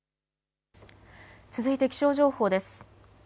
続いて気象情報です。